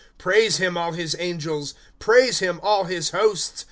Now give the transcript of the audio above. ^ Praise him, all liis angels ; Praise him, all liis hosts.